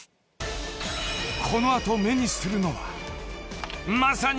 ［この後目にするのはまさに］